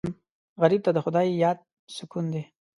غریب ته د خدای یاد سکون دی